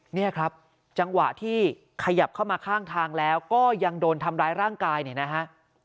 เนี่ยครับจังหวะที่ขยับเข้ามาข้างทางแล้วก็ยังโดนทำร้ายร่างกายเนี่ยนะฮะ